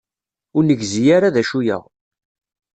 Ur negzi ara d acu-aɣ.